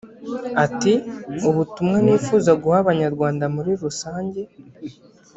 Ati “ Ubutumwa nifuza guha abanyarwanda muri rusange